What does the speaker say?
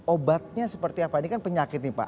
obatnya seperti apa ini kan penyakit nih pak